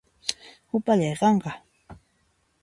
Upallay qanqa